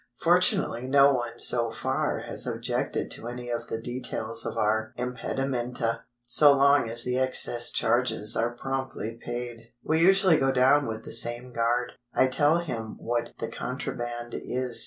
Fortunately no one so far has objected to any of the details of our impedimenta, so long as the excess charges are promptly paid. We usually go down with the same guard. I tell him what the contraband is.